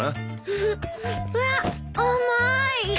うわっ重い！